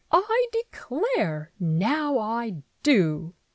I declare! now, I do!"